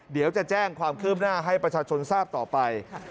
เดี๋ยวจะแจ้งความคืบหน้าให้ประชาชนทราบต่อไป